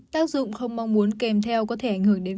tác dụng không mong muốn kèm theo có thể ảnh hưởng đến